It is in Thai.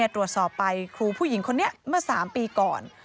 ตรวจสอบไปครูผู้หญิงคนนี้เมื่อ๓ปีก่อน